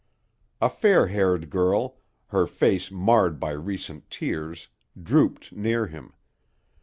A fair haired girl, her face marred by recent tears, drooped near him.